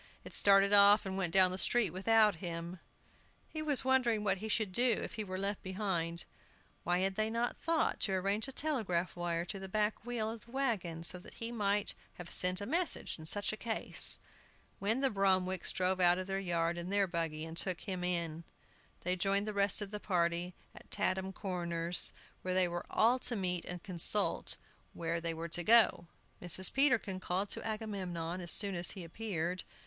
It started off and went down the street without him! He was wondering what he should do if he were left behind (why had they not thought to arrange a telegraph wire to the back wheel of the wagon, so that he might have sent a message in such a case!), when the Bromwicks drove out of their yard in their buggy, and took him in. They joined the rest of the party at Tatham Corners, where they were all to meet and consult where they were to go. Mrs. Peterkin called to Agamemnon, as soon as he appeared.